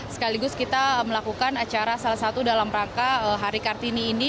sekaligus kita melakukan acara salah satu dalam rangka hari kartini ini